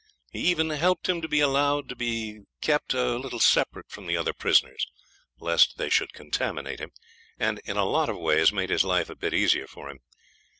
He even helped him to be allowed to be kept a little separate from the other prisoners (lest they should contaminate him!), and in lots of ways made his life a bit easier to him.